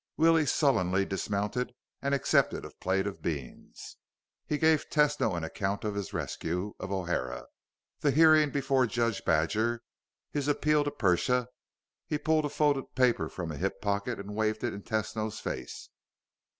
Willie sullenly dismounted and accepted a plate of beans. He gave Tesno an account of his rescue of O'Hara, the hearing before Judge Badger, his appeal to Persia. He pulled a folded paper from a hip pocket and waved it in Tesno's face.